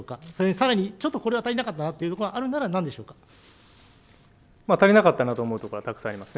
さらに、ちょっとこれは足りなかったなというところがあるなら、足りなかったなと思うところはたくさんありますね。